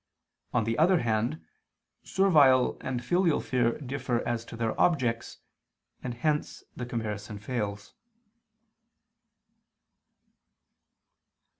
On the other hand, servile and filial fear differ as to their objects: and hence the comparison fails.